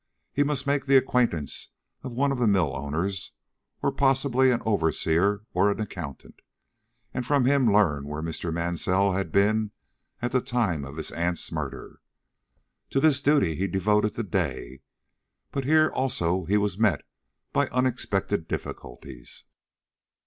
He must make the acquaintance of one of the mill owners, or possibly of an overseer or accountant, and from him learn where Mr. Mansell had been at the time of his aunt's murder. To this duty he devoted the day; but here also he was met by unexpected difficulties.